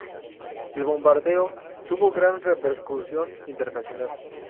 El bombardeo tuvo gran repercusión internacional.